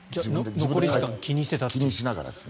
残り時間を気にしてた？